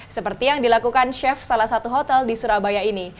seperti yang dilakukan chef salah satu hotel di surabaya ini